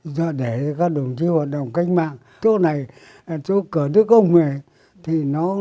đó để các đồng chí